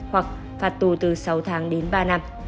hoặc phạt tù từ sáu tháng đến ba năm